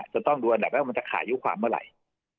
จะต้องดูอันดับแรกมันจะขายุความเมื่อไหร่